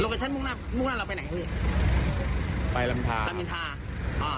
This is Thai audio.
โลกาชั่นมุ่งหน้ามุ่งหน้าเราไปไหนไปรามอินทรารามอินทรา